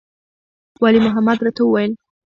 ولي محمد راته وويل.